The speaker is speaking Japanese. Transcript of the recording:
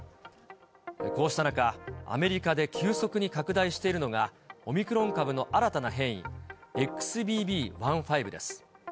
こうした中、アメリカで急速に拡大しているのが、オミクロン株の新たな変異、ＸＢＢ．１．５です。